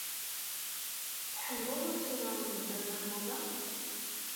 Tḥemmleḍ ad turareḍ ddabex n uḍar?